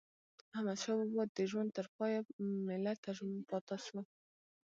احمدشاه بابا د ژوند تر پایه ملت ته ژمن پاته سو.